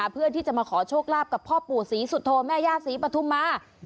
เพื่อที่จะมาขอโชคลาภกับพ่อปู่ศรีสุโธแม่ย่าศรีปฐุมา